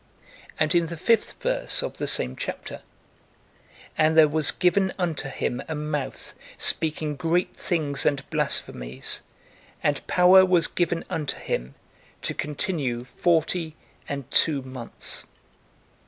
And in the fifth verse of the same chapter: And there was given unto him a mouth speaking great things and blasphemies; and power was given unto him to continue forty and two months.